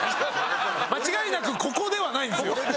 間違いなくここではないんですよ。